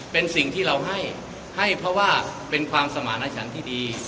เป็นสิ่งที่เราให้ให้เพราะว่าเป็นความสมารณชันที่ดี